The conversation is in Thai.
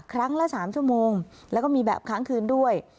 ครั้งละ๓ชั่วโมงแล้วก็มีแบบค้างคืนด้วย